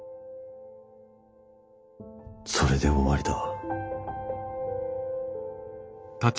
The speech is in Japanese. それで終わりだ。